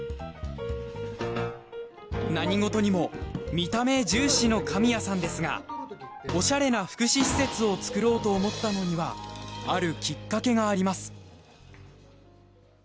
何事にも見た目重視の神谷さんですがオシャレな福祉施設を作ろうと思ったのにはあるきっかけがあります。